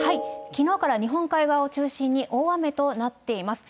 きのうから日本海側を中心に大雨となっています。